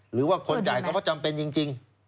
หรือว่าคนจ่ายก็เพราะจำเป็นจริง